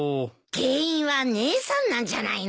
原因は姉さんなんじゃないの？